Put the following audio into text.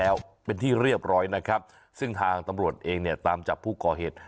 แล้วเป็นที่เรียบร้อยนะครับซึ่งทางตำรวจเองเนี่ยตามจับผู้ก่อเหตุ